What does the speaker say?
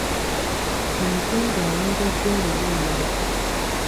Omukungu aweereddwa oluwummula.